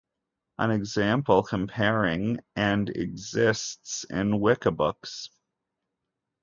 An example comparing and exists in Wikibooks.